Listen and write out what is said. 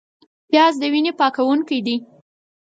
پیاز د وینې پاکوونکی دی